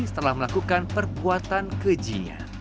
setelah melakukan perbuatan keji